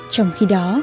trong khi đó